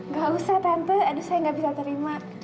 gak usah tante saya gak bisa terima